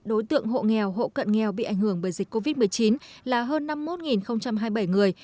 đối tượng hộ nghèo hộ cận nghèo bị ảnh hưởng bởi dịch covid một mươi chín là hơn năm mươi một hai mươi bảy người